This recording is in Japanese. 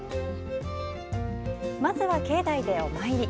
まずは境内で、お参り。